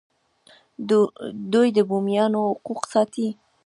دوی د بومیانو حقوق ساتي.